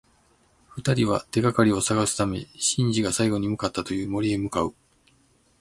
二人は、手がかりを探すためシンジが最後に向かったという森へ向かう。